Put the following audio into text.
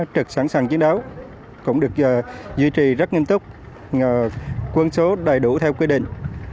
trực sẵn sàng chiến đấu cũng được duy trì rất nghiêm túc quân số đầy đủ theo quy định